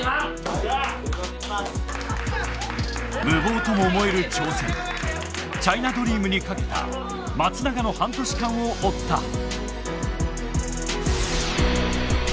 無謀とも思える挑戦チャイナドリームに賭けた松永の半年間を追った！